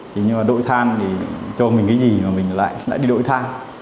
thì nhưng mà đội than thì cho mình cái gì mà mình lại đi đội than